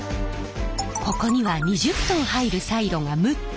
ここには２０トン入るサイロが６つ。